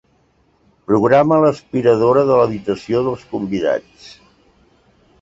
Programa l'aspiradora de l'habitació dels convidats.